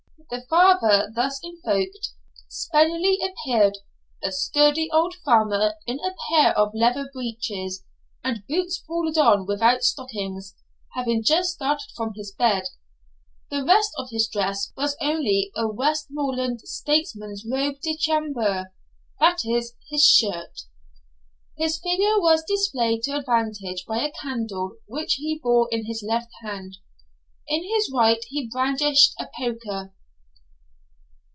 The father, thus invoked, speedily appeared a sturdy old farmer, in a pair of leather breeches, and boots pulled on without stockings, having just started from his bed; the rest of his dress was only a Westmoreland statesman's robe de chambre that is, his shirt. His figure was displayed to advantage by a candle which he bore in his left hand; in his right he brandished a poker.